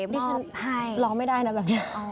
มอบให้นี่ฉันร้องไม่ได้นะแบบนี้